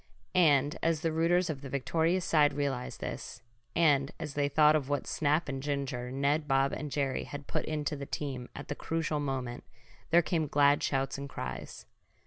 And as the rooters of the victorious side realized this, and as they thought of what snap and ginger Ned, Bob and Jerry had put into the team at the crucial moment, there came glad shouts and cries.